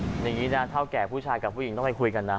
อย่างนี้นะเท่าแก่ผู้ชายกับผู้หญิงต้องไปคุยกันนะ